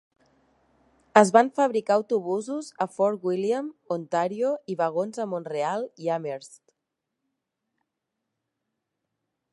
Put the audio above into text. Es van fabricar autobusos a Fort William, Ontario i vagons a Mont-real i Amherst.